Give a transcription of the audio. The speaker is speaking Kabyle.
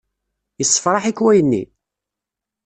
Yessefṛaḥ-ik wayenni?